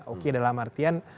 oke dalam artian